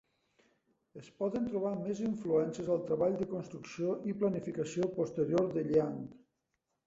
Es poden trobar més influències al treball de construcció i planificació posterior de Yeang.